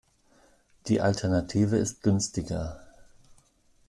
Die Alternative ist günstiger.